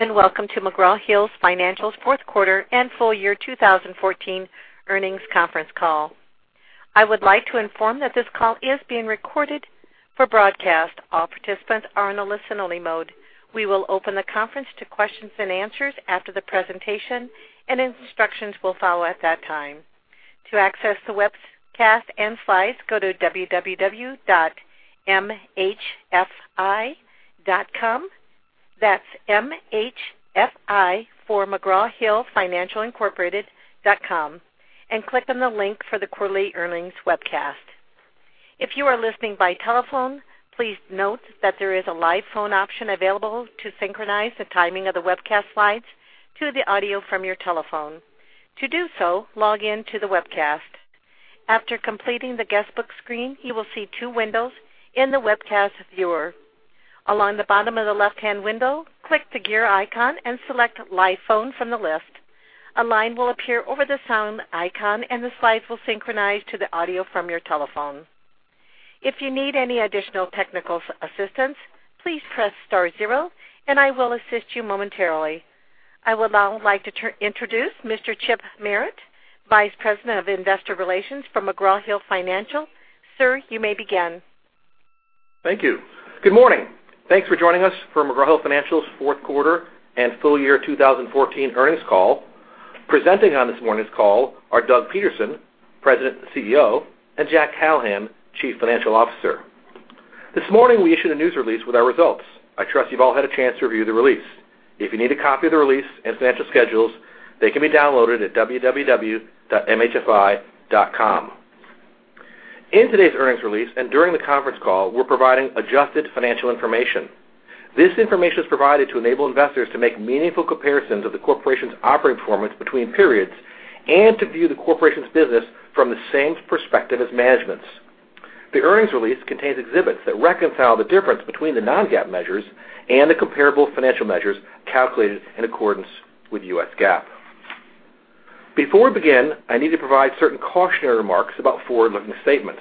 Welcome to McGraw Hill Financial's fourth quarter and full year 2014 earnings conference call. I would like to inform that this call is being recorded for broadcast. All participants are in a listen-only mode. We will open the conference to questions and answers after the presentation, and instructions will follow at that time. To access the webcast and slides, go to www.mhfi.com. That's M-H-F-I for McGraw Hill Financial Incorporated, .com, and click on the link for the quarterly earnings webcast. If you are listening by telephone, please note that there is a live phone option available to synchronize the timing of the webcast slides to the audio from your telephone. To do so, log in to the webcast. After completing the guestbook screen, you will see two windows in the webcast viewer. Along the bottom of the left-hand window, click the gear icon and select Live Phone from the list. A line will appear over the sound icon, and the slides will synchronize to the audio from your telephone. If you need any additional technical assistance, please press star zero and I will assist you momentarily. I would now like to introduce Mr. Chip Merritt, Vice President of Investor Relations for McGraw Hill Financial. Sir, you may begin. Thank you. Good morning. Thanks for joining us for McGraw Hill Financial's fourth quarter and full year 2014 earnings call. Presenting on this morning's call are Doug Peterson, President and CEO, and Jack Callahan, Chief Financial Officer. This morning we issued a news release with our results. I trust you've all had a chance to review the release. If you need a copy of the release and financial schedules, they can be downloaded at www.mhfi.com. In today's earnings release and during the conference call, we're providing adjusted financial information. This information is provided to enable investors to make meaningful comparisons of the corporation's operating performance between periods and to view the corporation's business from the same perspective as management's. The earnings release contains exhibits that reconcile the difference between the non-GAAP measures and the comparable financial measures calculated in accordance with U.S. GAAP. Before we begin, I need to provide certain cautionary remarks about forward-looking statements.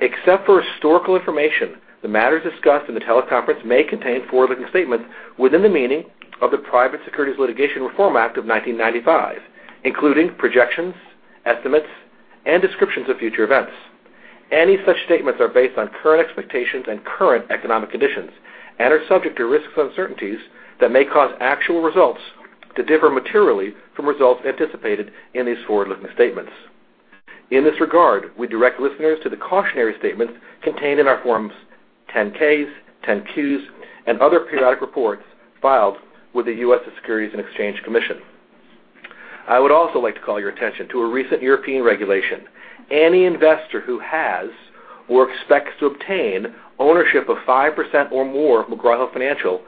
Except for historical information, the matters discussed in the teleconference may contain forward-looking statements within the meaning of the Private Securities Litigation Reform Act of 1995, including projections, estimates, and descriptions of future events. Any such statements are based on current expectations and current economic conditions and are subject to risks and uncertainties that may cause actual results to differ materially from results anticipated in these forward-looking statements. In this regard, we direct listeners to the cautionary statements contained in our Forms 10-Ks, 10-Qs, and other periodic reports filed with the U.S. Securities and Exchange Commission. I would also like to call your attention to a recent European regulation. Any investor who has or expects to obtain ownership of 5% or more of McGraw Hill Financial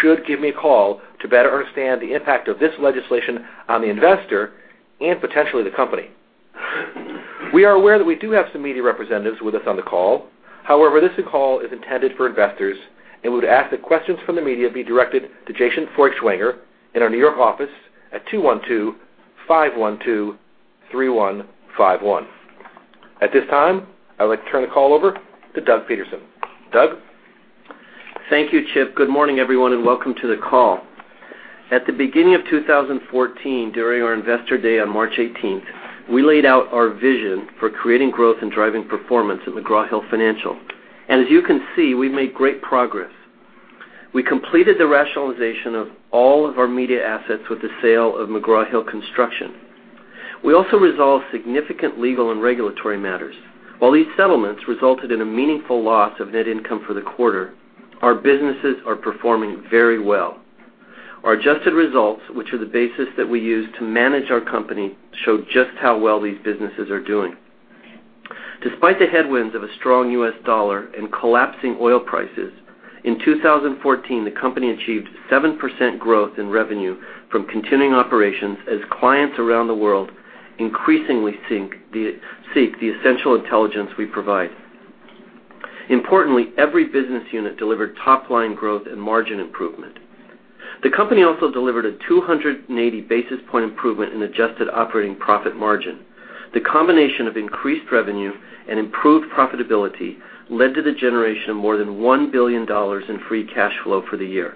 should give me a call to better understand the impact of this legislation on the investor and potentially the company. We are aware that we do have some media representatives with us on the call. However, this call is intended for investors, and we would ask that questions from the media be directed to Jason Feuchtwanger in our New York office at 212-512-3151. At this time, I would like to turn the call over to Doug Peterson. Doug? Thank you, Chip. Good morning, everyone, and welcome to the call. At the beginning of 2014, during our Investor Day on March 18th, we laid out our vision for creating growth and driving performance at McGraw Hill Financial. As you can see, we've made great progress. We completed the rationalization of all of our media assets with the sale of McGraw Hill Construction. We also resolved significant legal and regulatory matters. While these settlements resulted in a meaningful loss of net income for the quarter, our businesses are performing very well. Our adjusted results, which are the basis that we use to manage our company, show just how well these businesses are doing. Despite the headwinds of a strong U.S. dollar and collapsing oil prices, in 2014, the company achieved 7% growth in revenue from continuing operations as clients around the world increasingly seek the essential intelligence we provide. Importantly, every business unit delivered top-line growth and margin improvement. The company also delivered a 280 basis point improvement in adjusted operating profit margin. The combination of increased revenue and improved profitability led to the generation of more than $1 billion in free cash flow for the year.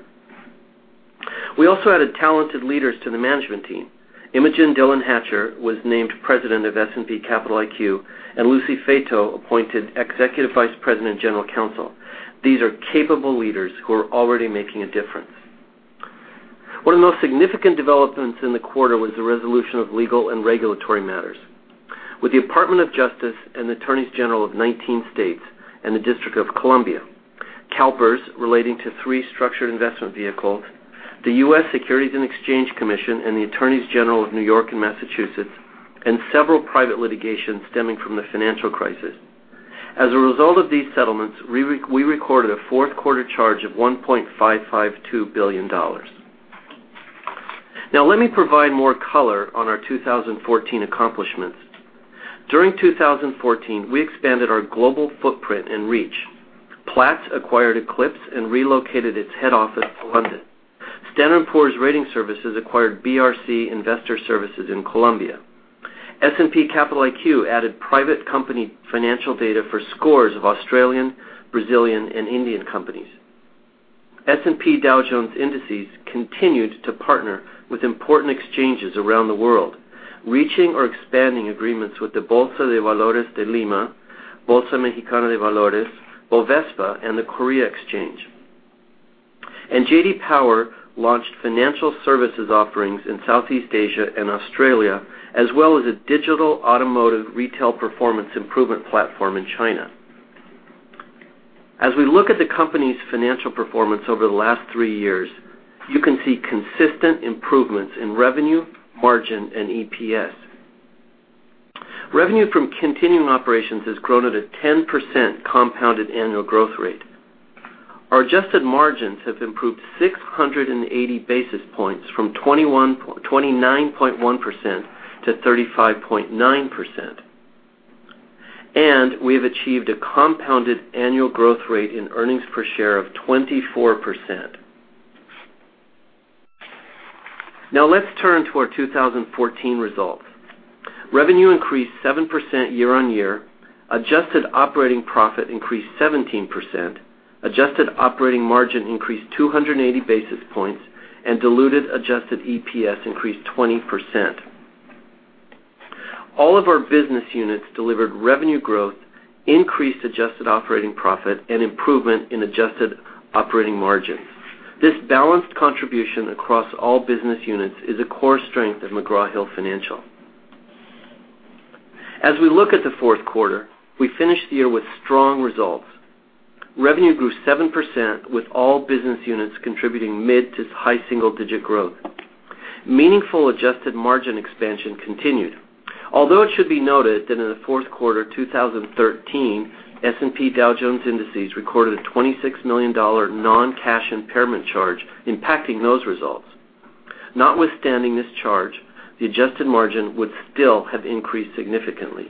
We also added talented leaders to the management team. Imogen Dillon-Hatcher was named President of S&P Capital IQ, and Lucy Fato appointed Executive Vice President and General Counsel. These are capable leaders who are already making a difference. One of the most significant developments in the quarter was the resolution of legal and regulatory matters. With the Department of Justice and Attorneys General of 19 states and the District of Columbia, CalPERS relating to three structured investment vehicles, the U.S. Securities and Exchange Commission and the Attorneys General of New York and Massachusetts, and several private litigations stemming from the financial crisis. As a result of these settlements, we recorded a fourth-quarter charge of $1.552 billion. Let me provide more color on our 2014 accomplishments. During 2014, we expanded our global footprint and reach. Platts acquired Eclipse and relocated its head office to London. Standard & Poor's Ratings Services acquired BRC Investor Services in Colombia. S&P Capital IQ added private company financial data for scores of Australian, Brazilian, and Indian companies. S&P Dow Jones Indices continued to partner with important exchanges around the world, reaching or expanding agreements with the Bolsa de Valores de Lima, Bolsa Mexicana de Valores, Bovespa, and the Korea Exchange. J.D. Power launched financial services offerings in Southeast Asia and Australia, as well as a digital automotive retail performance improvement platform in China. As we look at the company's financial performance over the last three years, you can see consistent improvements in revenue, margin, and EPS. Revenue from continuing operations has grown at a 10% compounded annual growth rate. Our adjusted margins have improved 680 basis points from 29.1% to 35.9%, and we have achieved a compounded annual growth rate in earnings per share of 24%. Now let's turn to our 2014 results. Revenue increased 7% year-on-year, adjusted operating profit increased 17%, adjusted operating margin increased 280 basis points, and diluted adjusted EPS increased 20%. All of our business units delivered revenue growth, increased adjusted operating profit, and improvement in adjusted operating margins. This balanced contribution across all business units is a core strength of McGraw Hill Financial. As we look at the fourth quarter, we finished the year with strong results. Revenue grew 7%, with all business units contributing mid to high single-digit growth. Meaningful adjusted margin expansion continued, although it should be noted that in the fourth quarter 2013, S&P Dow Jones Indices recorded a $26 million non-cash impairment charge, impacting those results. Notwithstanding this charge, the adjusted margin would still have increased significantly.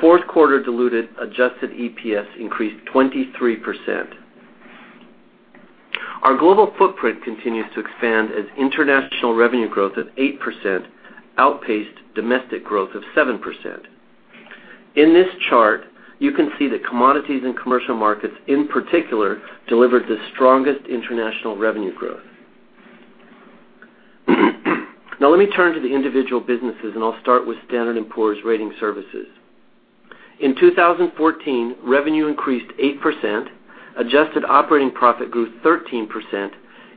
Fourth quarter diluted adjusted EPS increased 23%. Our global footprint continues to expand as international revenue growth of 8% outpaced domestic growth of 7%. In this chart, you can see that commodities and commercial markets, in particular, delivered the strongest international revenue growth. Now let me turn to the individual businesses, and I'll start with Standard & Poor's Ratings Services. In 2014, revenue increased 8%, adjusted operating profit grew 13%,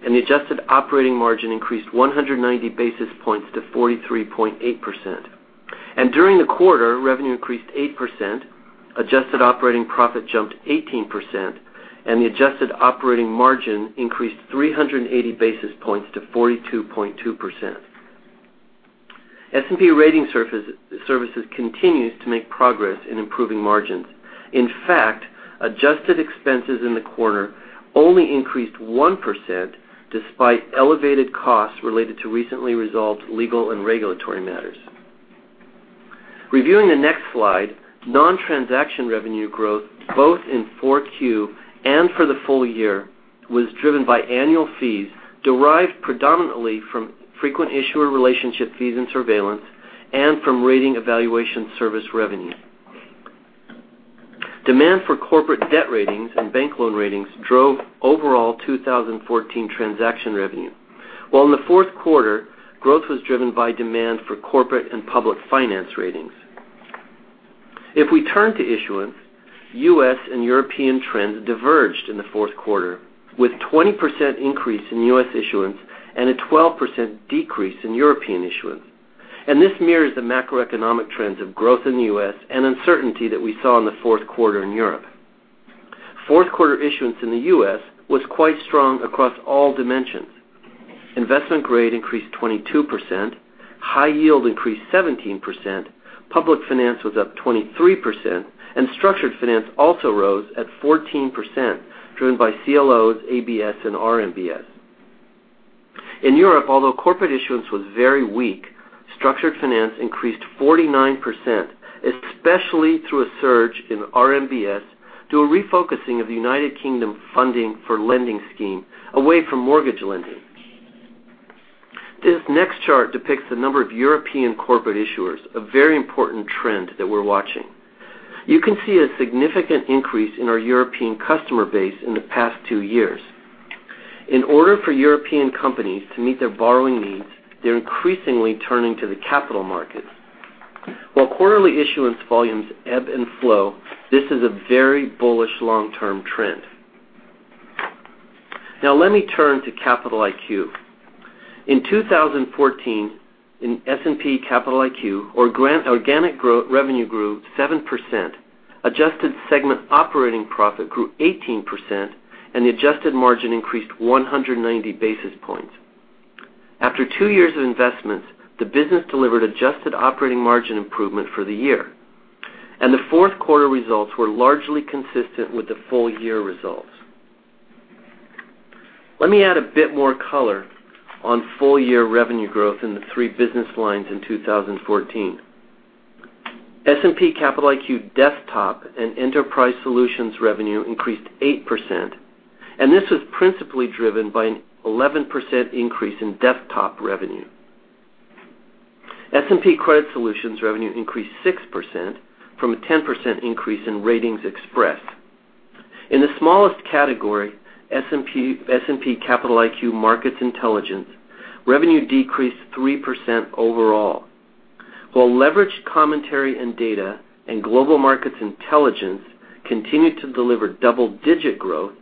and the adjusted operating margin increased 190 basis points to 43.8%. During the quarter, revenue increased 8%, adjusted operating profit jumped 18%, and the adjusted operating margin increased 380 basis points to 42.2%. S&P Ratings Services continues to make progress in improving margins. In fact, adjusted expenses in the quarter only increased 1%, despite elevated costs related to recently resolved legal and regulatory matters. Reviewing the next slide, non-transaction revenue growth, both in fourth Q and for the full year, was driven by annual fees derived predominantly from frequent issuer relationship fees and surveillance and from rating evaluation service revenue. Demand for corporate debt ratings and bank loan ratings drove overall 2014 transaction revenue, while in the fourth quarter, growth was driven by demand for corporate and public finance ratings. If we turn to issuance, U.S. and European trends diverged in the fourth quarter, with 20% increase in U.S. issuance and a 12% decrease in European issuance. This mirrors the macroeconomic trends of growth in the U.S. and uncertainty that we saw in the fourth quarter in Europe. Fourth quarter issuance in the U.S. was quite strong across all dimensions. Investment grade increased 22%, high yield increased 17%, public finance was up 23%, structured finance also rose at 14%, driven by CLOs, ABS, and RMBS. In Europe, although corporate issuance was very weak, structured finance increased 49%, especially through a surge in RMBS, through a refocusing of the United Kingdom Funding for Lending Scheme away from mortgage lending. This next chart depicts the number of European corporate issuers, a very important trend that we're watching. You can see a significant increase in our European customer base in the past two years. In order for European companies to meet their borrowing needs, they're increasingly turning to the capital markets. While quarterly issuance volumes ebb and flow, this is a very bullish long-term trend. Now let me turn to Capital IQ. In 2014, in S&P Capital IQ, organic revenue grew 7%, adjusted segment operating profit grew 18%, and the adjusted margin increased 190 basis points. After 2 years of investments, the business delivered adjusted operating margin improvement for the year, and the fourth quarter results were largely consistent with the full year results. Let me add a bit more color on full year revenue growth in the 3 business lines in 2014. S&P Capital IQ Desktop and Enterprise Solutions revenue increased 8%, and this was principally driven by an 11% increase in desktop revenue. S&P Credit Solutions revenue increased 6%, from a 10% increase in RatingsXpress. In the smallest category, S&P Capital IQ Market Intelligence, revenue decreased 3% overall. While leveraged commentary and data and global market intelligence continued to deliver double-digit growth,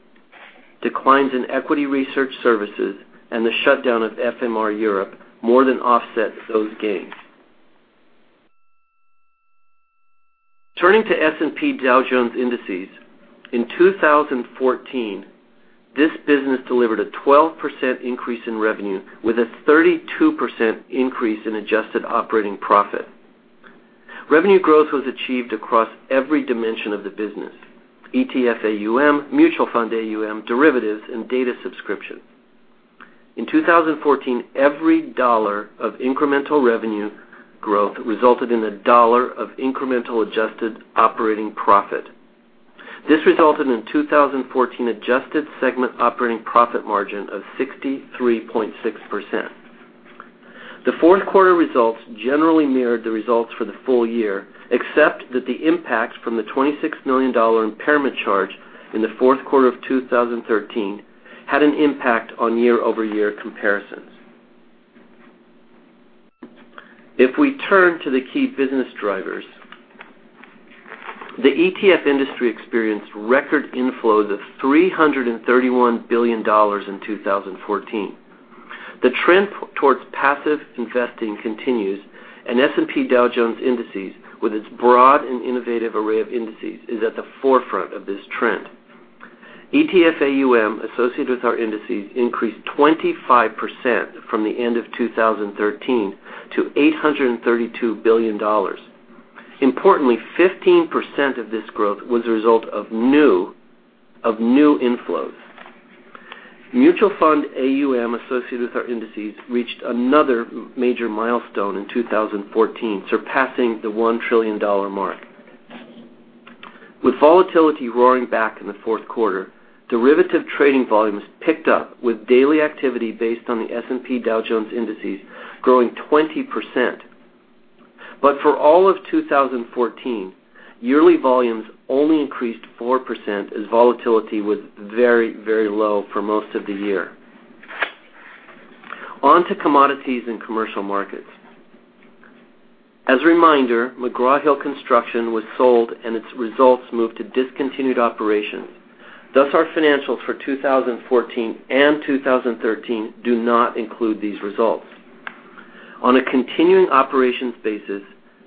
declines in equity research services and the shutdown of FMR Europe more than offset those gains. Turning to S&P Dow Jones Indices, in 2014, this business delivered a 12% increase in revenue with a 32% increase in adjusted operating profit. Revenue growth was achieved across every dimension of the business: ETF AUM, mutual fund AUM, derivatives, and data subscription. In 2014, every dollar of incremental revenue growth resulted in a dollar of incremental adjusted operating profit. This resulted in 2014 adjusted segment operating profit margin of 63.6%. The fourth quarter results generally mirrored the results for the full year, except that the impact from the $26 million impairment charge in the fourth quarter of 2013 had an impact on year-over-year comparisons. If we turn to the key business drivers, the ETF industry experienced record inflows of $331 billion in 2014. The trend towards passive investing continues, and S&P Dow Jones Indices, with its broad and innovative array of indices, is at the forefront of this trend. ETF AUM associated with our indices increased 25% from the end of 2013 to $832 billion. Importantly, 15% of this growth was a result of new inflows. Mutual fund AUM associated with our indices reached another major milestone in 2014, surpassing the $1 trillion mark. With volatility roaring back in the fourth quarter, derivative trading volumes picked up with daily activity based on the S&P Dow Jones Indices growing 20%. For all of 2014, yearly volumes only increased 4% as volatility was very low for most of the year. On to commodities and commercial markets. As a reminder, McGraw Hill Construction was sold and its results moved to discontinued operations. Thus, our financials for 2014 and 2013 do not include these results. On a continuing operations basis,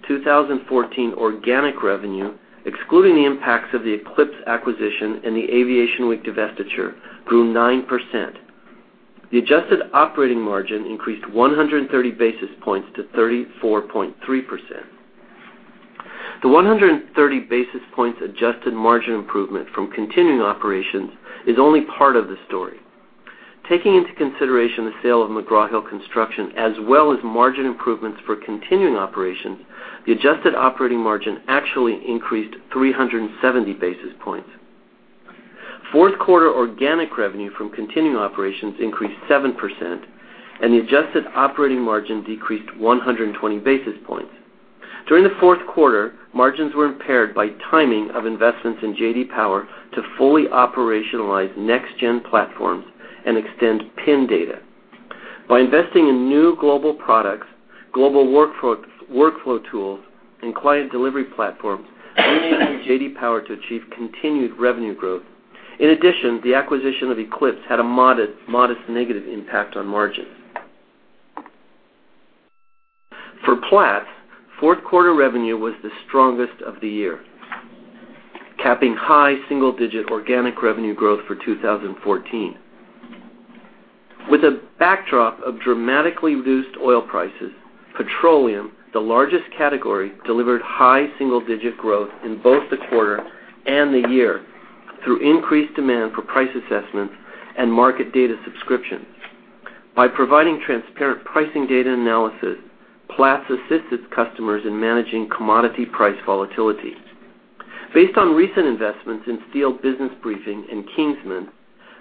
2014 organic revenue, excluding the impacts of the Eclipse acquisition and the Aviation Week divestiture, grew 9%. The adjusted operating margin increased 130 basis points to 34.3%. The 130 basis points adjusted margin improvement from continuing operations is only part of the story. Taking into consideration the sale of McGraw Hill Construction as well as margin improvements for continuing operations, the adjusted operating margin actually increased 370 basis points. Fourth quarter organic revenue from continuing operations increased 7%, and the adjusted operating margin decreased 120 basis points. During the fourth quarter, margins were impaired by timing of investments in J.D. Power to fully operationalize next-gen platforms and extend PIN data. By investing in new global products, global workflow tools, and client delivery platforms, we enabled J.D. Power to achieve continued revenue growth. In addition, the acquisition of Eclipse had a modest negative impact on margins. For Platts, fourth quarter revenue was the strongest of the year, capping high single-digit organic revenue growth for 2014. With a backdrop of dramatically reduced oil prices, petroleum, the largest category, delivered high single-digit growth in both the quarter and the year through increased demand for price assessments and market data subscriptions. By providing transparent pricing data analysis, Platts assists its customers in managing commodity price volatility. Based on recent investments in Steel Business Briefing and Kingsman,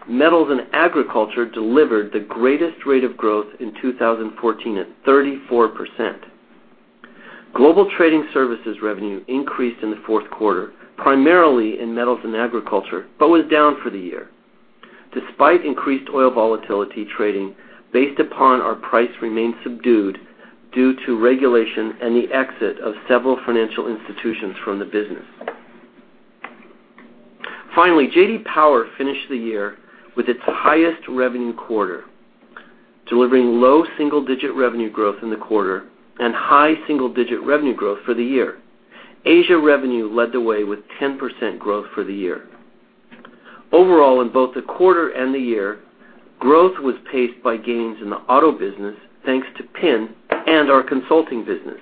metals and agriculture delivered the greatest rate of growth in 2014 at 34%. Global trading services revenue increased in the fourth quarter, primarily in metals and agriculture, but was down for the year. Despite increased oil volatility trading, based upon our price remained subdued due to regulation and the exit of several financial institutions from the business. Finally, J.D. Power finished the year with its highest revenue quarter, delivering low double-digit revenue growth in the quarter and high single-digit revenue growth for the year. Asia revenue led the way with 10% growth for the year. Overall, in both the quarter and the year, growth was paced by gains in the auto business, thanks to PIN and our consulting business.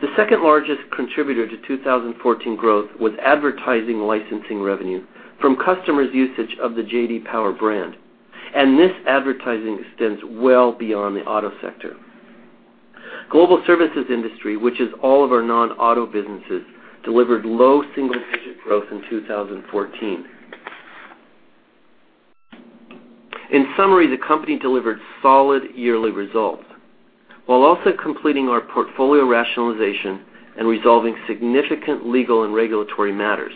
The second largest contributor to 2014 growth was advertising licensing revenue from customers' usage of the J.D. Power brand. This advertising extends well beyond the auto sector. Global services industry, which is all of our non-auto businesses, delivered low single-digit growth in 2014. In summary, the company delivered solid yearly results while also completing our portfolio rationalization and resolving significant legal and regulatory matters.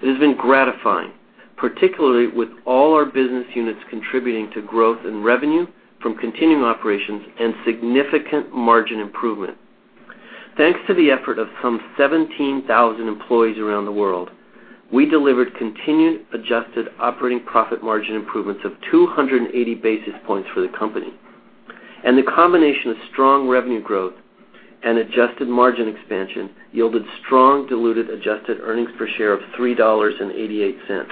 It has been gratifying, particularly with all our business units contributing to growth in revenue from continuing operations and significant margin improvement. Thanks to the effort of some 17,000 employees around the world, we delivered continued adjusted operating profit margin improvements of 280 basis points for the company, the combination of strong revenue growth and adjusted margin expansion yielded strong diluted adjusted earnings per share of $3.88.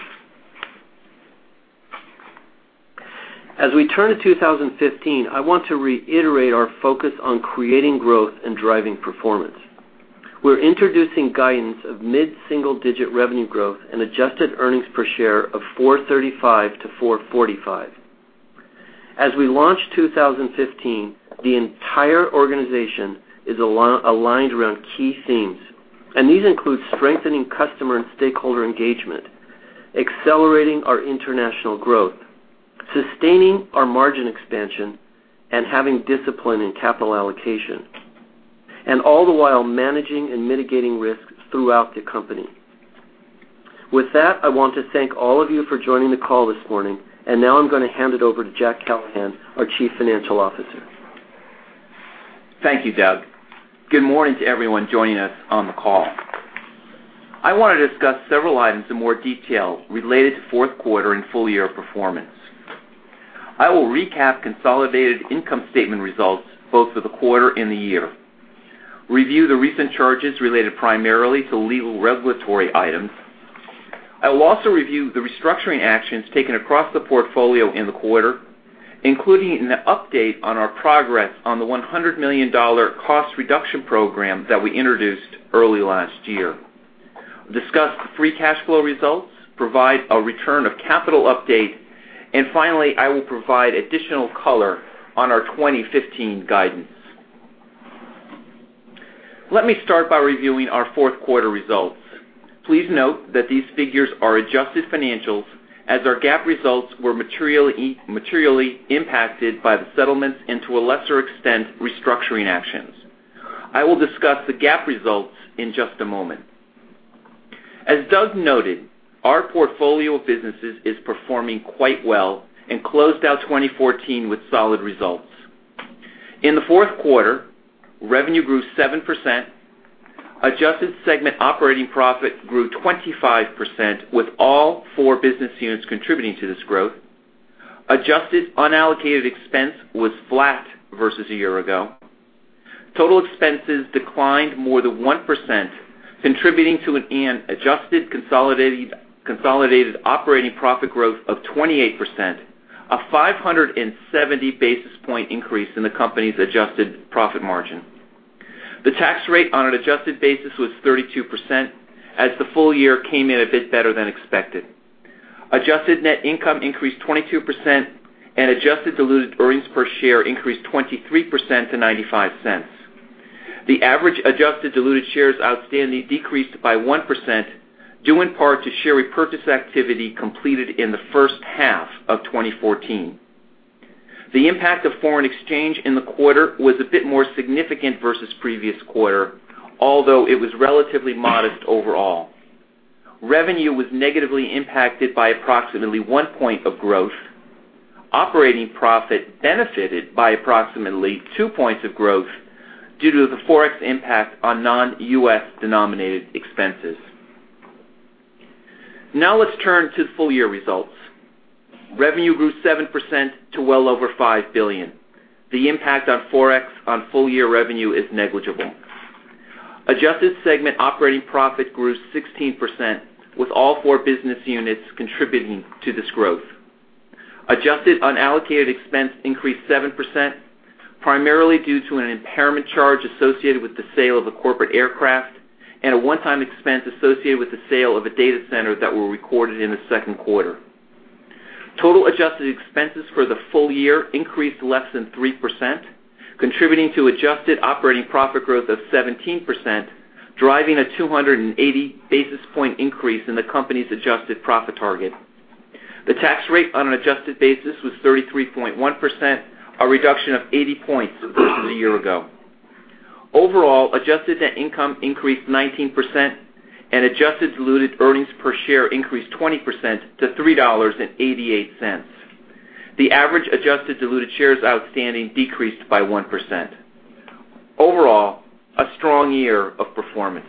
As we turn to 2015, I want to reiterate our focus on creating growth and driving performance. We're introducing guidance of mid-single-digit revenue growth and adjusted earnings per share of $4.35-$4.45. As we launch 2015, the entire organization is aligned around key themes. These include strengthening customer and stakeholder engagement, accelerating our international growth, sustaining our margin expansion, having discipline in capital allocation, and all the while managing and mitigating risks throughout the company. With that, I want to thank all of you for joining the call this morning. Now I'm going to hand it over to Jack Callahan, our Chief Financial Officer. Thank you, Doug. Good morning to everyone joining us on the call. I want to discuss several items in more detail related to fourth quarter and full-year performance. I will recap consolidated income statement results both for the quarter and the year, review the recent charges related primarily to legal regulatory items. I will also review the restructuring actions taken across the portfolio in the quarter, including an update on our progress on the $100 million cost reduction program that we introduced early last year, discuss the free cash flow results, provide a return of capital update, and finally, I will provide additional color on our 2015 guidance. Let me start by reviewing our fourth quarter results. Please note that these figures are adjusted financials as our GAAP results were materially impacted by the settlements and, to a lesser extent, restructuring actions. I will discuss the GAAP results in just a moment. As Doug noted, our portfolio of businesses is performing quite well and closed out 2014 with solid results. In the fourth quarter, revenue grew 7%. Adjusted segment operating profit grew 25%, with all four business units contributing to this growth. Adjusted unallocated expense was flat versus a year ago. Total expenses declined more than 1%, contributing to an adjusted consolidated operating profit growth of 28%, a 570 basis point increase in the company's adjusted profit margin. The tax rate on an adjusted basis was 32%, as the full year came in a bit better than expected. Adjusted net income increased 22%, and adjusted diluted earnings per share increased 23% to $0.95. The average adjusted diluted shares outstanding decreased by 1%, due in part to share repurchase activity completed in the first half of 2014. The impact of foreign exchange in the quarter was a bit more significant versus the previous quarter, although it was relatively modest overall. Revenue was negatively impacted by approximately one point of growth. Operating profit benefited by approximately two points of growth due to the Forex impact on non-U.S.-denominated expenses. Let's turn to full-year results. Revenue grew 7% to well over $5 billion. The impact on Forex on full-year revenue is negligible. Adjusted segment operating profit grew 16%, with all four business units contributing to this growth. Adjusted unallocated expense increased 7%, primarily due to an impairment charge associated with the sale of a corporate aircraft and a one-time expense associated with the sale of a data center that were recorded in the second quarter. Total adjusted expenses for the full year increased less than 3%, contributing to adjusted operating profit growth of 17%, driving a 280 basis point increase in the company's adjusted profit target. The tax rate on an adjusted basis was 33.1%, a reduction of 80 points versus a year ago. Overall, adjusted net income increased 19%, and adjusted diluted earnings per share increased 20% to $3.88. The average adjusted diluted shares outstanding decreased by 1%. Overall, a strong year of performance.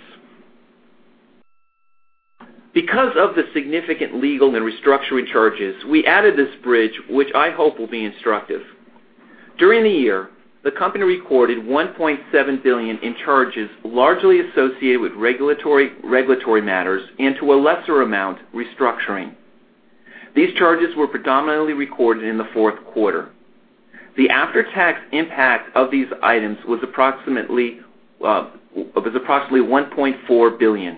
Because of the significant legal and restructuring charges, we added this bridge, which I hope will be instructive. During the year, the company recorded $1.7 billion in charges, largely associated with regulatory matters and, to a lesser amount, restructuring. These charges were predominantly recorded in the fourth quarter. The after-tax impact of these items was approximately $1.4 billion.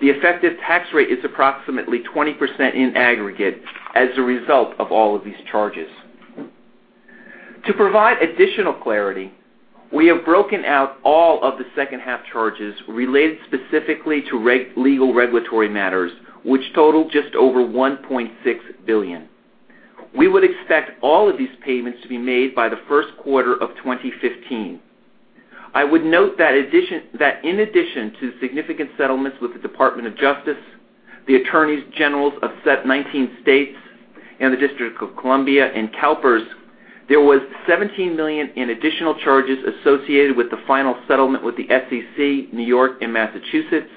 The effective tax rate is approximately 20% in aggregate as a result of all of these charges. To provide additional clarity, we have broken out all of the second half charges related specifically to legal regulatory matters, which total just over $1.6 billion. We would expect all of these payments to be made by the first quarter of 2015. I would note that in addition to significant settlements with the Department of Justice, the attorneys general of 19 states, and the District of Columbia and CalPERS, there was $17 million in additional charges associated with the final settlement with the SEC, New York, and Massachusetts,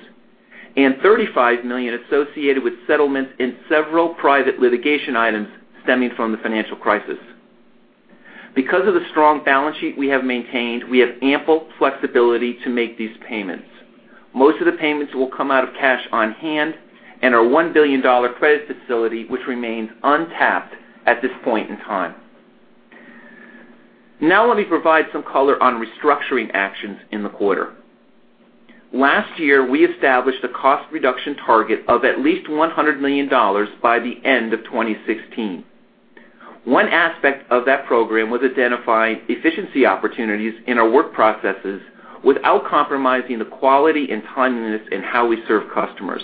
and $35 million associated with settlements in several private litigation items stemming from the financial crisis. Because of the strong balance sheet we have maintained, we have ample flexibility to make these payments. Most of the payments will come out of cash on hand and our $1 billion credit facility, which remains untapped at this point in time. Let me provide some color on restructuring actions in the quarter. Last year, we established a cost reduction target of at least $100 million by the end of 2016. One aspect of that program was identifying efficiency opportunities in our work processes without compromising the quality and timeliness in how we serve customers.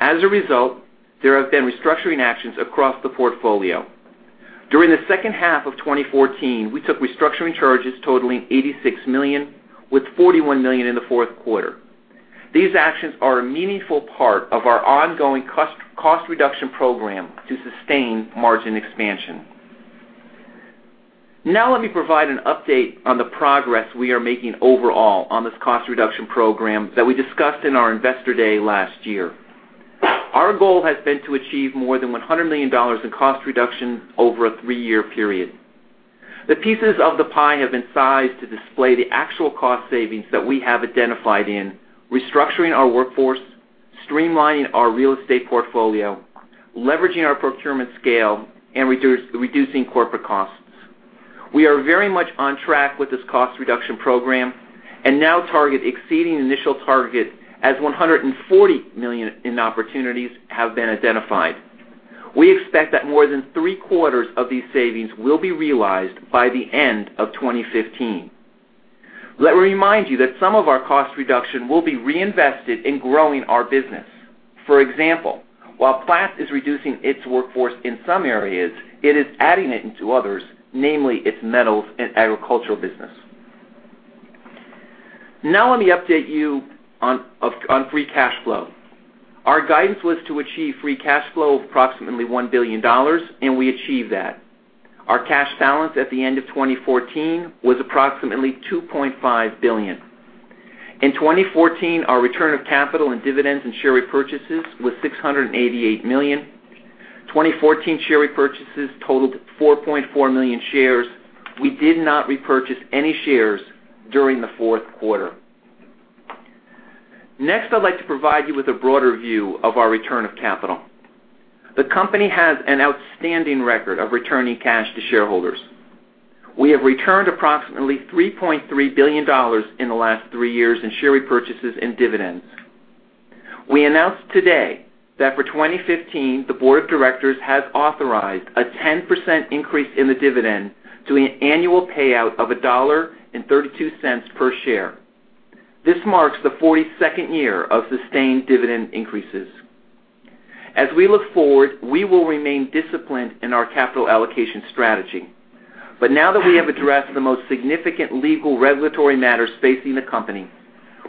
As a result, there have been restructuring actions across the portfolio. During the second half of 2014, we took restructuring charges totaling $86 million, with $41 million in the fourth quarter. These actions are a meaningful part of our ongoing cost reduction program to sustain margin expansion. Let me provide an update on the progress we are making overall on this cost reduction program that we discussed in our investor day last year. Our goal has been to achieve more than $100 million in cost reductions over a three-year period. The pieces of the pie have been sized to display the actual cost savings that we have identified in restructuring our workforce, streamlining our real estate portfolio, leveraging our procurement scale, and reducing corporate costs. We are very much on track with this cost reduction program, and now target exceeding initial target as $140 million in opportunities have been identified. We expect that more than three-quarters of these savings will be realized by the end of 2015. Let me remind you that some of our cost reduction will be reinvested in growing our business. For example, while Platts is reducing its workforce in some areas, it is adding it into others, namely its metals and agricultural business. Let me update you on free cash flow. Our guidance was to achieve free cash flow of approximately $1 billion, and we achieved that. Our cash balance at the end of 2014 was approximately $2.5 billion. In 2014, our return of capital in dividends and share repurchases was $688 million. 2014 share repurchases totaled 4.4 million shares. We did not repurchase any shares during the fourth quarter. I'd like to provide you with a broader view of our return of capital. The company has an outstanding record of returning cash to shareholders. We have returned approximately $3.3 billion in the last three years in share repurchases and dividends. We announced today that for 2015, the board of directors has authorized a 10% increase in the dividend to an annual payout of $1.32 per share. This marks the 42nd year of sustained dividend increases. As we look forward, we will remain disciplined in our capital allocation strategy. Now that we have addressed the most significant legal regulatory matters facing the company,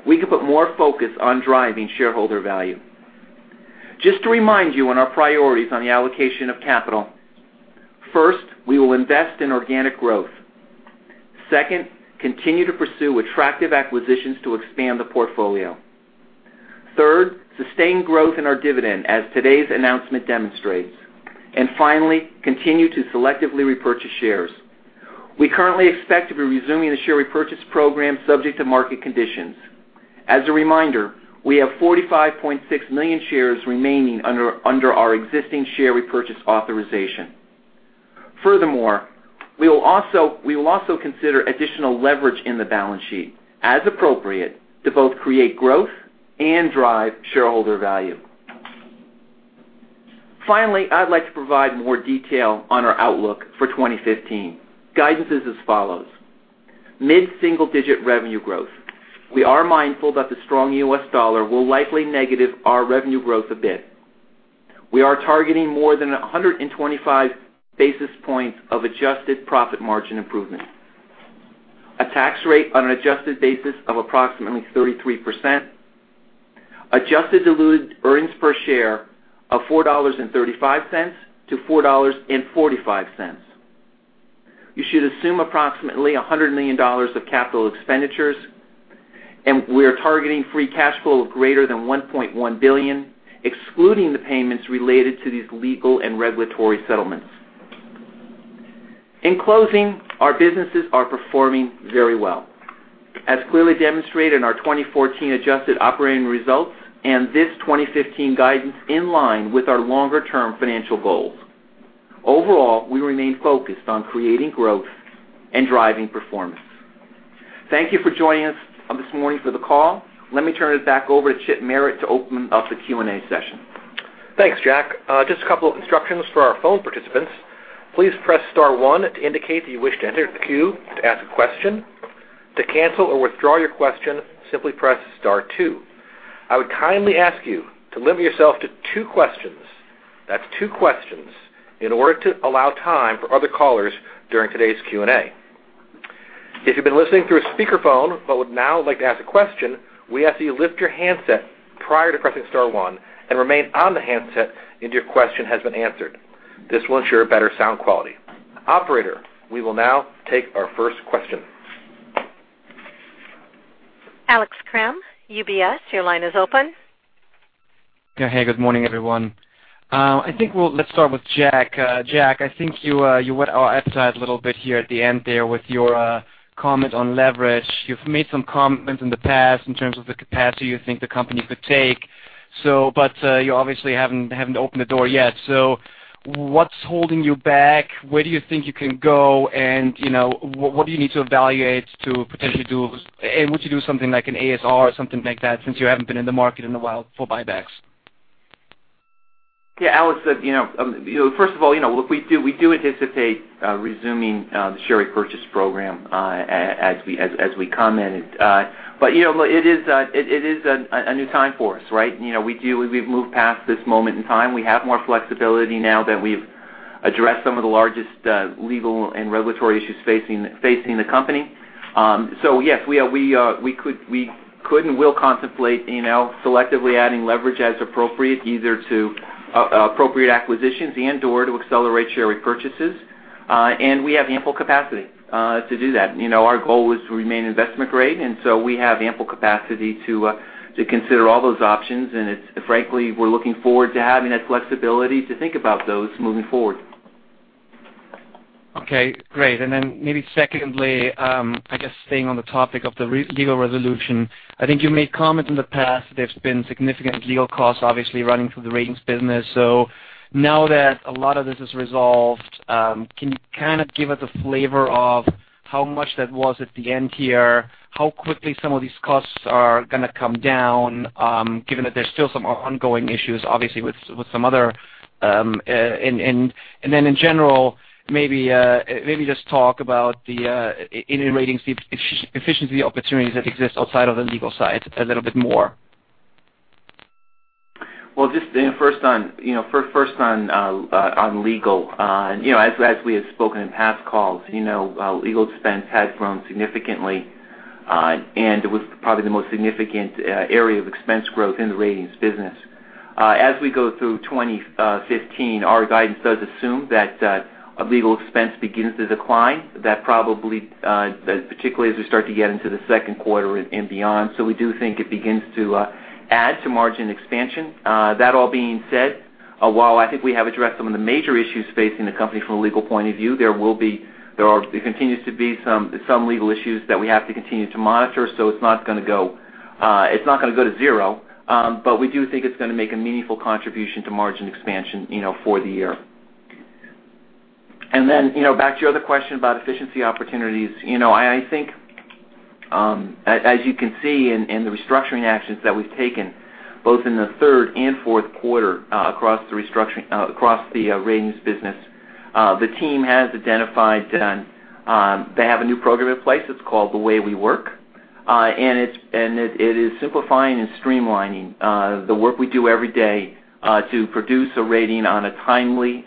we can put more focus on driving shareholder value. Just to remind you on our priorities on the allocation of capital, first, we will invest in organic growth. Second, continue to pursue attractive acquisitions to expand the portfolio. Third, sustain growth in our dividend, as today's announcement demonstrates. Finally, continue to selectively repurchase shares. We currently expect to be resuming the share repurchase program subject to market conditions. As a reminder, we have 45.6 million shares remaining under our existing share repurchase authorization. Furthermore, we will also consider additional leverage in the balance sheet as appropriate to both create growth and drive shareholder value. Finally, I'd like to provide more detail on our outlook for 2015. Guidance is as follows. Mid-single-digit revenue growth. We are mindful that the strong US dollar will likely negative our revenue growth a bit. We are targeting more than 125 basis points of adjusted profit margin improvement. A tax rate on an adjusted basis of approximately 33%. Adjusted diluted earnings per share of $4.35 to $4.45. You should assume approximately $100 million of capital expenditures, and we are targeting free cash flow of greater than $1.1 billion, excluding the payments related to these legal and regulatory settlements. In closing, our businesses are performing very well. As clearly demonstrated in our 2014 adjusted operating results and this 2015 guidance in line with our longer-term financial goals. Overall, we remain focused on creating growth and driving performance. Thank you for joining us this morning for the call. Let me turn it back over to Chip Merritt to open up the Q&A session. Thanks, Jack. Just a couple of instructions for our phone participants. Please press star one to indicate that you wish to enter the queue to ask a question. To cancel or withdraw your question, simply press star two. I would kindly ask you to limit yourself to two questions. That's two questions in order to allow time for other callers during today's Q&A. If you've been listening through a speakerphone but would now like to ask a question, we ask that you lift your handset prior to pressing star one and remain on the handset until your question has been answered. This will ensure better sound quality. Operator, we will now take our first question. Alex Kramm, UBS, your line is open. Hey, good morning, everyone. I think let's start with Jack. Jack, I think you whet our appetite a little bit here at the end there with your comment on leverage. You've made some comments in the past in terms of the capacity you think the company could take. You obviously haven't opened the door yet. What's holding you back? Where do you think you can go? What do you need to evaluate to potentially do? Would you do something like an ASR or something like that since you haven't been in the market in a while for buybacks? Alex. First of all, we do anticipate resuming the share repurchase program, as we commented. It is a new time for us, right? We've moved past this moment in time. We have more flexibility now that we've addressed some of the largest legal and regulatory issues facing the company. Yes, we could and will contemplate selectively adding leverage as appropriate, either to appropriate acquisitions and/or to accelerate share repurchases. We have ample capacity to do that. Our goal is to remain investment-grade, and so we have ample capacity to consider all those options. Frankly, we're looking forward to having that flexibility to think about those moving forward. Okay, great. Maybe secondly, I guess staying on the topic of the legal resolution, I think you made comments in the past, there's been significant legal costs, obviously, running through the ratings business. Now that a lot of this is resolved, can you give us a flavor of how much that was at the end here? How quickly some of these costs are going to come down, given that there's still some ongoing issues, obviously. In general, maybe just talk about the in-rating efficiency opportunities that exist outside of the legal side a little bit more. Just first on legal. As we have spoken in past calls, legal expense has grown significantly, and it was probably the most significant area of expense growth in the ratings business. As we go through 2015, our guidance does assume that legal expense begins to decline, particularly as we start to get into the second quarter and beyond. We do think it begins to add to margin expansion. That all being said, while I think we have addressed some of the major issues facing the company from a legal point of view, there continues to be some legal issues that we have to continue to monitor. It's not going to go to zero. We do think it's going to make a meaningful contribution to margin expansion for the year. Back to your other question about efficiency opportunities. As you can see in the restructuring actions that we've taken, both in the third and fourth quarter across the ratings business, the team has identified they have a new program in place. It's called The Way We Work, it is simplifying and streamlining the work we do every day to produce a rating in a timely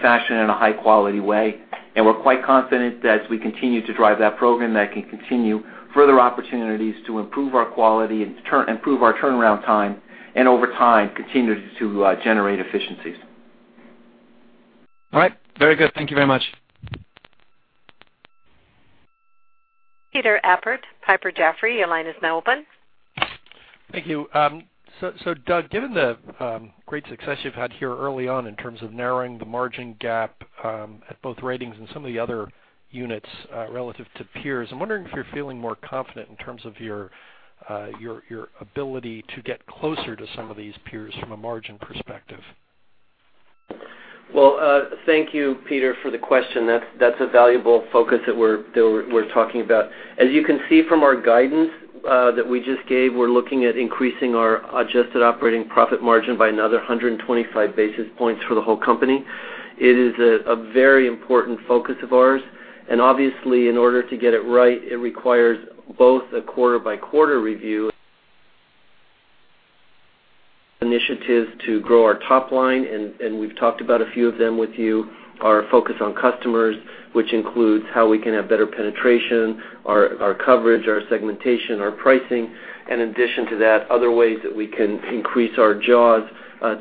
fashion and a high-quality way. We're quite confident that as we continue to drive that program, that can continue further opportunities to improve our quality and improve our turnaround time, and over time, continue to generate efficiencies. All right. Very good. Thank you very much. Peter Appert, Piper Jaffray, your line is now open. Thank you. Doug, given the great success you've had here early on in terms of narrowing the margin gap at both ratings and some of the other units relative to peers, I'm wondering if you're feeling more confident in terms of your ability to get closer to some of these peers from a margin perspective. Well, thank you, Peter, for the question. That's a valuable focus that we're talking about. As you can see from our guidance that we just gave, we're looking at increasing our adjusted operating profit margin by another 125 basis points for the whole company. It is a very important focus of ours. Obviously, in order to get it right, it requires both a quarter-by-quarter review, initiatives to grow our top line, and we've talked about a few of them with you. Our focus on customers, which includes how we can have better penetration, our coverage, our segmentation, our pricing. In addition to that, other ways that we can increase our jaws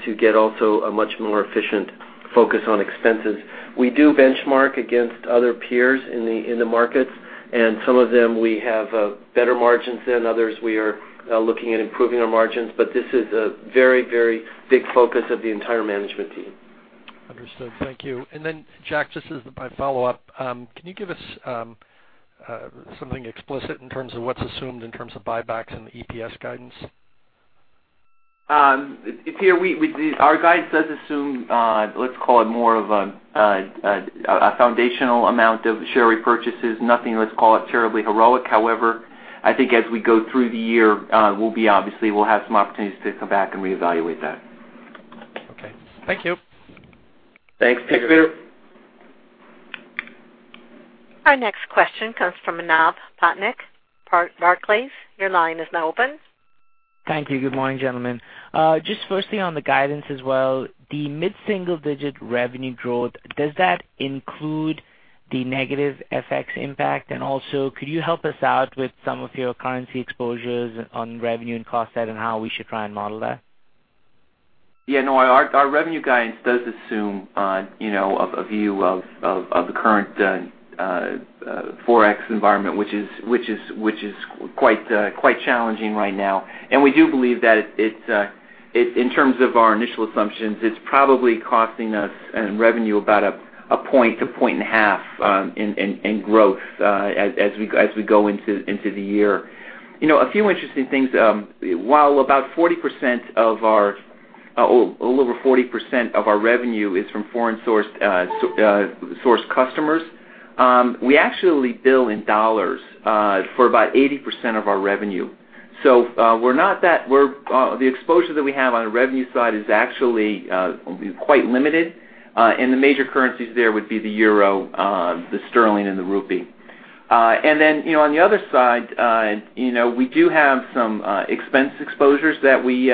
to get also a much more efficient focus on expenses. We do benchmark against other peers in the markets, and some of them we have better margins than others. We are looking at improving our margins, this is a very big focus of the entire management team. Understood. Thank you. Jack, just as my follow-up, can you give us something explicit in terms of what's assumed in terms of buybacks and the EPS guidance? Peter, our guide does assume, let's call it more of a foundational amount of share repurchases. Nothing, let's call it, terribly heroic. However, I think as we go through the year, obviously, we'll have some opportunities to come back and reevaluate that. Okay. Thank you. Thanks, Peter. Our next question comes from Manav Patnaik, Barclays. Your line is now open. Thank you. Good morning, gentlemen. Just firstly, on the guidance as well, the mid-single-digit revenue growth, does that include the negative FX impact? Also, could you help us out with some of your currency exposures on revenue and cost side, and how we should try and model that? Yeah, no. Our revenue guidance does assume a view of the current Forex environment, which is quite challenging right now. We do believe that in terms of our initial assumptions, it's probably costing us in revenue about a point to point and a half in growth as we go into the year. A few interesting things. While a little over 40% of our revenue is from foreign-sourced customers, we actually bill in $ for about 80% of our revenue. The exposure that we have on the revenue side is actually quite limited, and the major currencies there would be the euro, the sterling, and the rupee. On the other side, we do have some expense exposures that we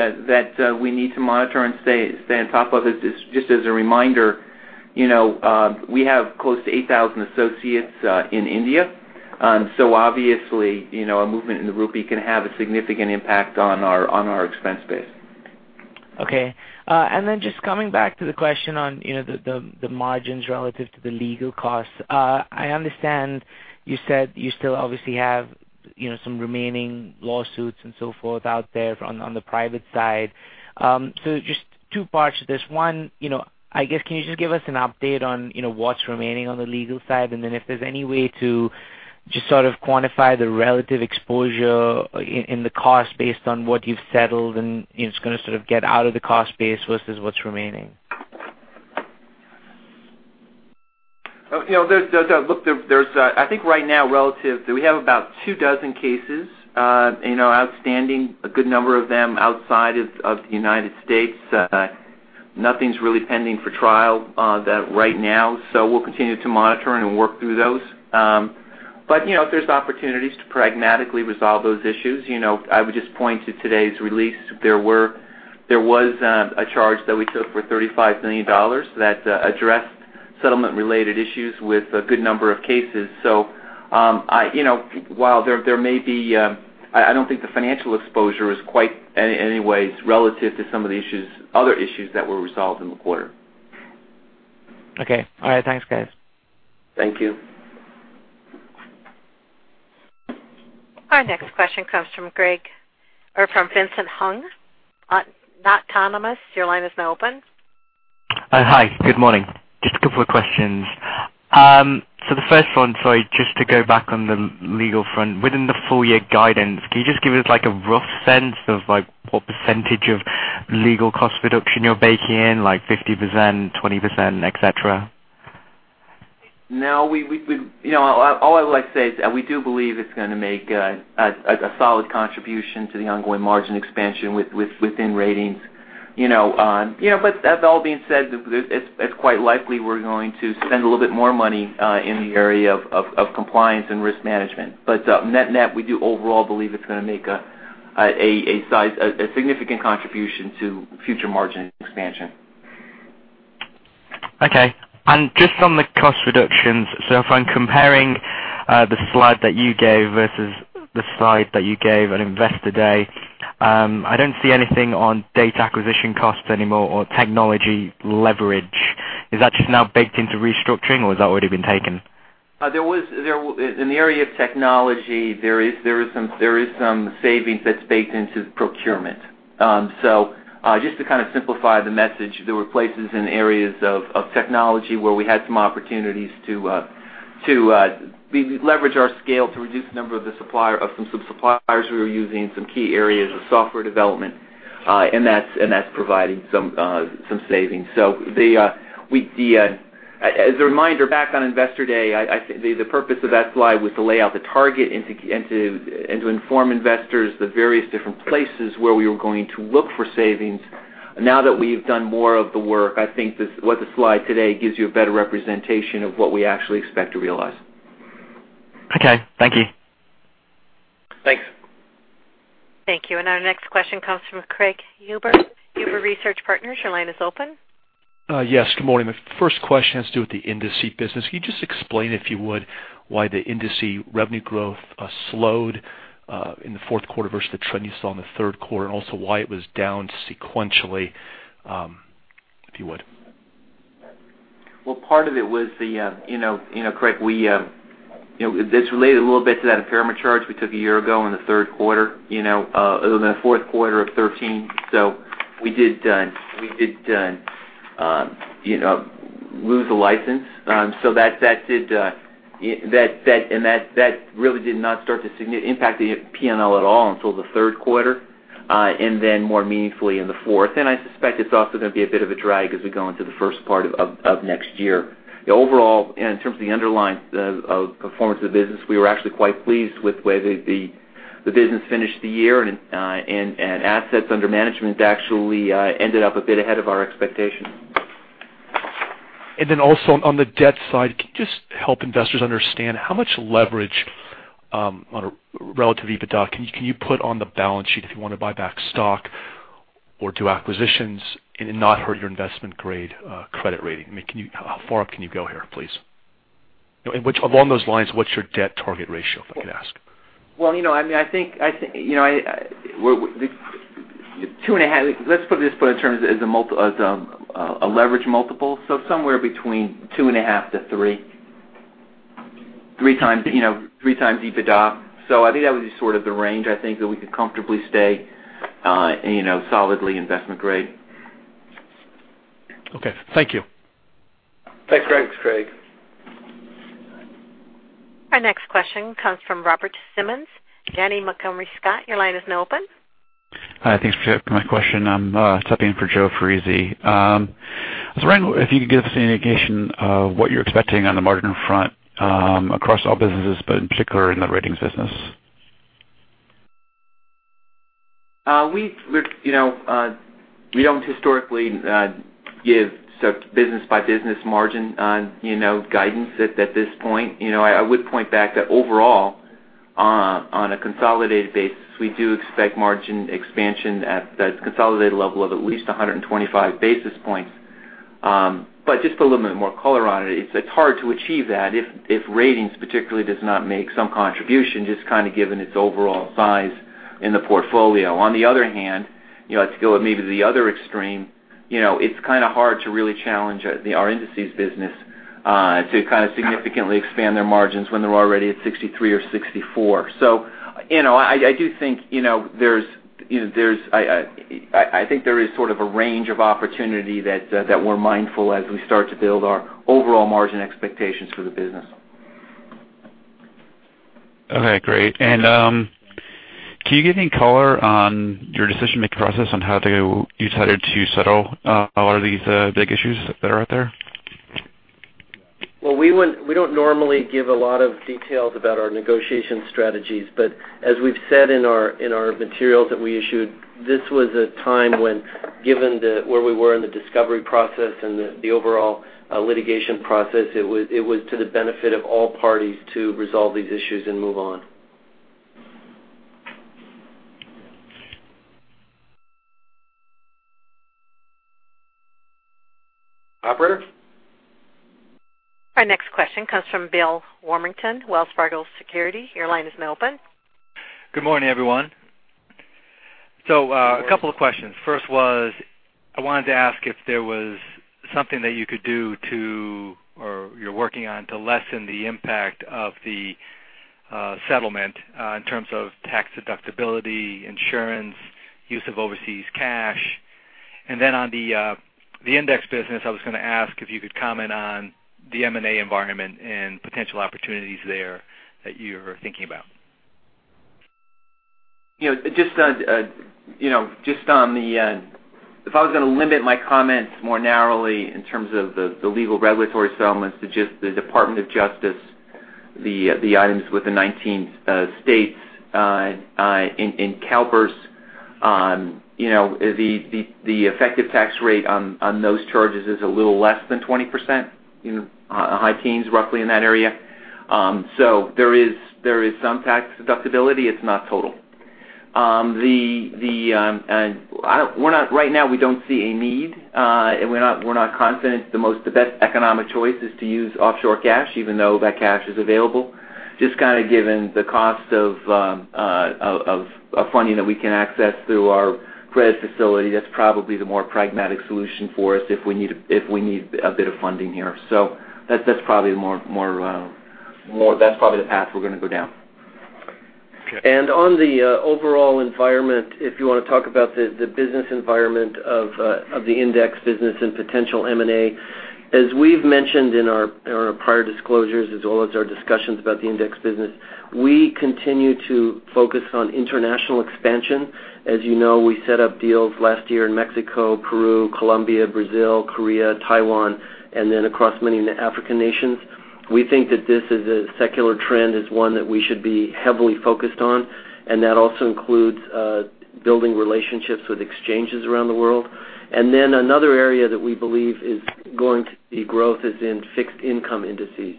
need to monitor and stay on top of. Just as a reminder, we have close to 8,000 associates in India. Obviously, a movement in the rupee can have a significant impact on our expense base. Okay. Just coming back to the question on the margins relative to the legal costs. I understand you said you still obviously have some remaining lawsuits and so forth out there on the private side. Just two parts to this. One, I guess, can you just give us an update on what's remaining on the legal side? If there's any way to just sort of quantify the relative exposure in the cost based on what you've settled and it's going to sort of get out of the cost base versus what's remaining. Look, I think right now, relative, we have about two dozen cases outstanding, a good number of them outside of the United States. Nothing's really pending for trial right now, we'll continue to monitor and work through those. If there's opportunities to pragmatically resolve those issues, I would just point to today's release. There was a charge that we took for $35 million that addressed settlement-related issues with a good number of cases. While there may be I don't think the financial exposure is quite in any way relative to some of the other issues that were resolved in the quarter. Okay. All right. Thanks, guys. Thank you. Our next question comes from Vincent Hung at Autonomous. Your line is now open. Hi. Good morning. Just a couple of questions. The first one, sorry, just to go back on the legal front. Within the full-year guidance, can you just give us a rough sense of what percentage of legal cost reduction you're baking in, like 50%, 20%, et cetera? No. All I would like to say is that we do believe it's going to make a solid contribution to the ongoing margin expansion within Ratings. That all being said, it's quite likely we're going to spend a little bit more money in the area of compliance and risk management. Net, we do overall believe it's going to make a significant contribution to future margin expansion. Okay. Just on the cost reductions, if I'm comparing the slide that you gave versus the slide that you gave at Investor Day, I don't see anything on data acquisition costs anymore or technology leverage. Is that just now baked into restructuring, or has that already been taken? In the area of technology, there is some savings that's baked into procurement. Just to kind of simplify the message, there were places in areas of technology where we had some opportunities to leverage our scale to reduce the number of some suppliers we were using, some key areas of software development, and that's providing some savings. As a reminder, back on Investor Day, the purpose of that slide was to lay out the target and to inform investors the various different places where we were going to look for savings. Now that we've done more of the work, I think what the slide today gives you a better representation of what we actually expect to realize. Okay. Thank you. Thanks. Thank you. Our next question comes from Craig Huber, Huber Research Partners. Your line is open. Yes. Good morning. My first question has to do with the Indices business. Can you just explain, if you would, why the Indices revenue growth slowed in the fourth quarter versus the trend you saw in the third quarter? Also why it was down sequentially, if you would. Well, part of it was Craig, this related a little bit to that impairment charge we took a year ago in the third quarter, other than the fourth quarter of 2013. We did lose a license. That really did not start to significantly impact the P&L at all until the third quarter, and then more meaningfully in the fourth. I suspect it's also going to be a bit of a drag as we go into the first part of next year. Overall, in terms of the underlying performance of the business, we were actually quite pleased with the way the business finished the year, and assets under management actually ended up a bit ahead of our expectations. Also on the debt side, can you just help investors understand how much leverage on a relative EBITDA can you put on the balance sheet if you want to buy back stock or do acquisitions and not hurt your investment-grade credit rating? How far up can you go here, please? Along those lines, what's your debt target ratio, if I could ask? Well, let's put it in terms as a leverage multiple, somewhere between two and a half to three times EBITDA. I think that would be sort of the range, I think, that we could comfortably stay solidly investment-grade. Okay. Thank you. Thanks, Craig. Our next question comes from Robert Simmons. Janney Montgomery Scott, your line is now open. Hi, thanks for taking my question. I'm subbing for Joseph Foresi. I was wondering if you could give us any indication of what you're expecting on the margin front across all businesses, in particular in the ratings business. We don't historically give business-by-business margin guidance at this point. I would point back that overall, on a consolidated basis, we do expect margin expansion at the consolidated level of at least 125 basis points. Just to put a little bit more color on it's hard to achieve that if ratings particularly does not make some contribution, just kind of given its overall size in the portfolio. On the other hand, to go maybe to the other extreme, it's kind of hard to really challenge our indices business to kind of significantly expand their margins when they're already at 63 or 64. I think there is sort of a range of opportunity that we're mindful as we start to build our overall margin expectations for the business. Okay, great. Can you give any color on your decision-making process on how you decided to settle a lot of these big issues that are out there? We don't normally give a lot of details about our negotiation strategies. As we've said in our materials that we issued, this was a time when, given where we were in the discovery process and the overall litigation process, it was to the benefit of all parties to resolve these issues and move on. Operator? Our next question comes from Bill Warmington, Wells Fargo Securities. Your line is now open. Good morning, everyone. A couple of questions. First was, I wanted to ask if there was something that you could do to, or you're working on to lessen the impact of the settlement in terms of tax deductibility, insurance, use of overseas cash. On the index business, I was going to ask if you could comment on the M&A environment and potential opportunities there that you're thinking about. If I was going to limit my comments more narrowly in terms of the legal regulatory settlements to just the Department of Justice, the items with the 19 states and CalPERS, the effective tax rate on those charges is a little less than 20%, high teens, roughly in that area. There is some tax deductibility. It's not total. Right now, we don't see a need, and we're not confident the best economic choice is to use offshore cash, even though that cash is available. Just given the cost of funding that we can access through our credit facility, that's probably the more pragmatic solution for us if we need a bit of funding here. That's probably the path we're going to go down. Okay. On the overall environment, if you want to talk about the business environment of the index business and potential M&A, as we've mentioned in our prior disclosures, as well as our discussions about the index business, we continue to focus on international expansion. As you know, we set up deals last year in Mexico, Peru, Colombia, Brazil, Korea, Taiwan, across many African nations. We think that this as a secular trend, is one that we should be heavily focused on, that also includes building relationships with exchanges around the world. Another area that we believe is going to see growth is in fixed income indices.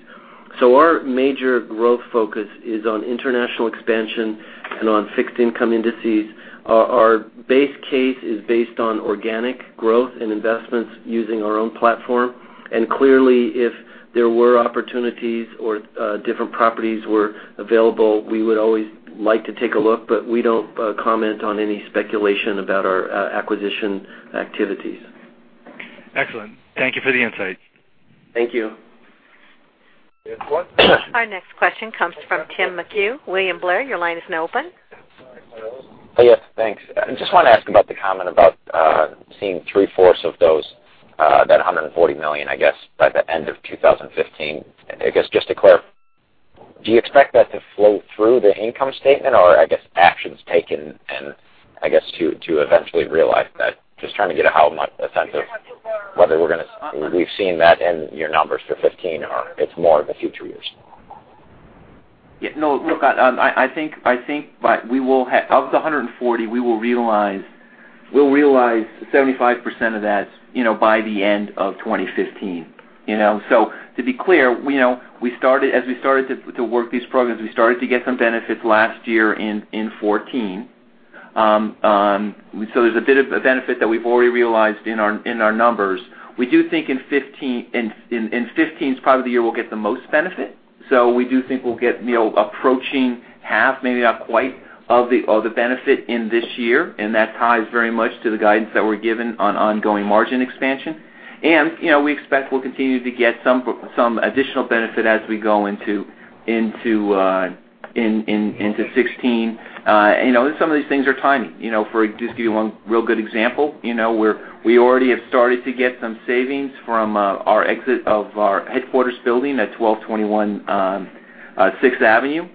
Our major growth focus is on international expansion and on fixed income indices. Our base case is based on organic growth and investments using our own platform. Clearly, if there were opportunities or different properties were available, we would always like to take a look, but we don't comment on any speculation about our acquisition activities. Excellent. Thank you for the insight. Thank you. Our next question comes from Timothy McHugh, William Blair, your line is now open. Yes, thanks. I just want to ask about the comment about seeing three-fourths of those, that $140 million, I guess, by the end of 2015. I guess, just to clarify, do you expect that to flow through the income statement or I guess actions taken and to eventually realize that? Just trying to get a sense of whether we've seen that in your numbers for 2015 or it's more of a future use. Yeah. No, look, I think of the $140, we'll realize 75% of that by the end of 2015. To be clear, as we started to work these programs, we started to get some benefits last year in 2014. There's a bit of a benefit that we've already realized in our numbers. We do think in 2015 is probably the year we'll get the most benefit. We do think we'll get approaching half, maybe not quite, of the benefit in this year, That ties very much to the guidance that we're given on ongoing margin expansion. We expect we'll continue to get some additional benefit as we go into 2016. Some of these things are timing. To just give you one real good example, we already have started to get some savings from our exit of our headquarters building at 1221 6th Avenue.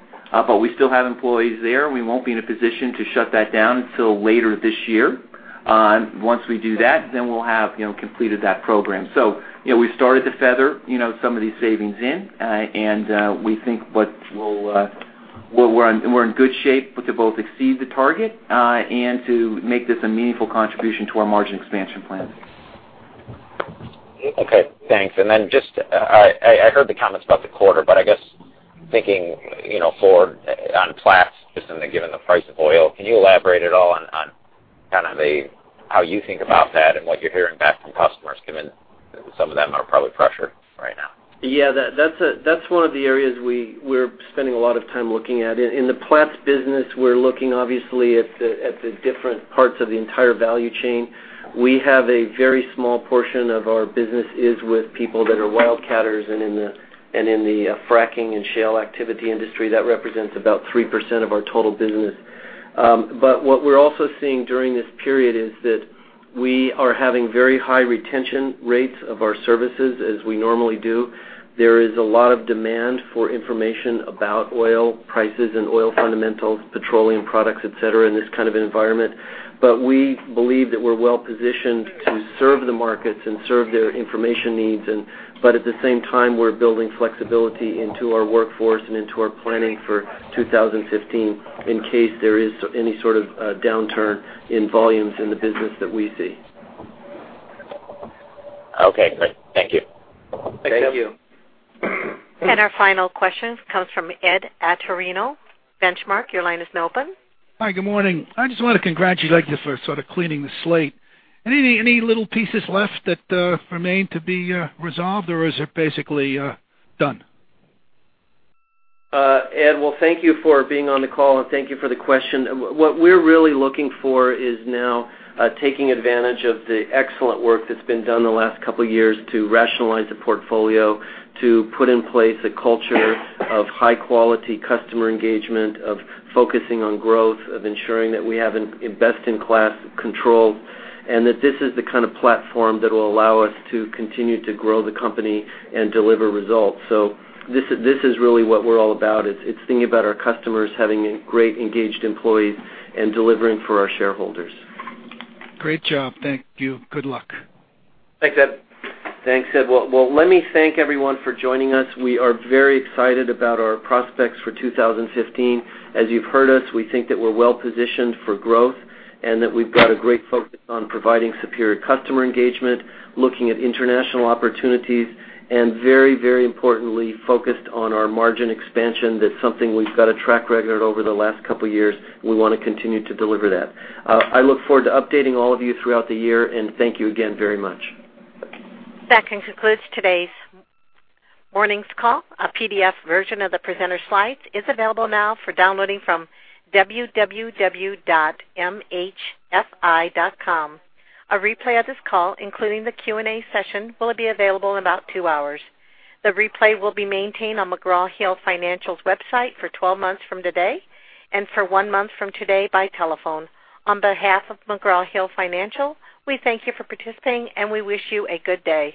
We still have employees there. We won't be in a position to shut that down until later this year. Once we do that, We'll have completed that program. We've started to feather some of these savings in, We think we're in good shape to both exceed the target and to make this a meaningful contribution to our margin expansion plans. Okay, thanks. I heard the comments about the quarter, I guess thinking for on Platts, just given the price of oil, can you elaborate at all on how you think about that and what you're hearing back from customers, given some of them are probably pressured right now? That's one of the areas we're spending a lot of time looking at. In the Platts business, we're looking obviously at the different parts of the entire value chain. We have a very small portion of our business is with people that are wildcatters and in the fracking and shale activity industry. That represents about 3% of our total business. What we're also seeing during this period is that we are having very high retention rates of our services as we normally do. There is a lot of demand for information about oil prices and oil fundamentals, petroleum products, et cetera, in this kind of environment. We believe that we're well positioned to serve the markets and serve their information needs. At the same time, we're building flexibility into our workforce and into our planning for 2015 in case there is any sort of downturn in volumes in the business that we see. Okay, great. Thank you. Thank you. Our final question comes from Ed Atorino, Benchmark. Your line is now open. Hi, good morning. I just want to congratulate you for sort of cleaning the slate. Any little pieces left that remain to be resolved, or is it basically done? Ed, well, thank you for being on the call, and thank you for the question. What we're really looking for is now taking advantage of the excellent work that's been done the last couple of years to rationalize the portfolio, to put in place a culture of high-quality customer engagement, of focusing on growth, of ensuring that we have a best-in-class control, and that this is the kind of platform that will allow us to continue to grow the company and deliver results. This is really what we're all about. It's thinking about our customers, having great engaged employees, and delivering for our shareholders. Great job. Thank you. Good luck. Thanks, Ed. Well, let me thank everyone for joining us. We are very excited about our prospects for 2015. As you've heard us, we think that we're well-positioned for growth and that we've got a great focus on providing superior customer engagement, looking at international opportunities, and very importantly, focused on our margin expansion. That's something we've got a track record over the last couple of years. We want to continue to deliver that. I look forward to updating all of you throughout the year, and thank you again very much. That concludes today's morning's call. A PDF version of the presenter slides is available now for downloading from www.mhfi.com. A replay of this call, including the Q&A session, will be available in about two hours. The replay will be maintained on McGraw Hill Financial's website for 12 months from today and for one month from today by telephone. On behalf of McGraw Hill Financial, we thank you for participating, and we wish you a good day